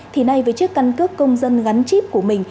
thì nay với chiếc căn cước công dân gắn chip của mình